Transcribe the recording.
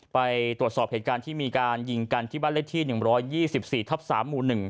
ไปตรวจสอบเหตุการณ์ที่มีการยิงกันที่บ้านเลขที่๑๒๔ทับ๓หมู่๑